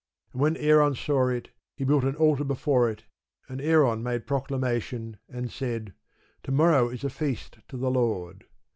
And when Aaron saw it, he built an altar before it; and Aaron made proclamation, and said, To morrow is a feast to the Lord.